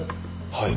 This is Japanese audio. はい。